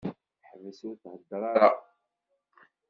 Teḥbes ur theddeṛ ara.